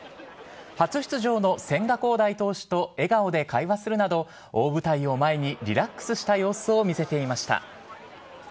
初出場の千賀滉大投手と笑顔で会話するなど、大舞台を前に、リラックスした様子を見せていました。